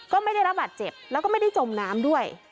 ไม่ได้รับบาดเจ็บแล้วก็ไม่ได้จมน้ำด้วย